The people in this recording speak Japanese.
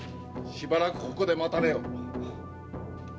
しばらくここで待たれよ。